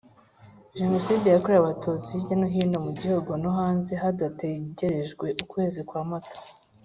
Jenoside yakorewe abatutsi hirya no hino mu gihugu no hanze hadategerejwe ukwezi kwa mata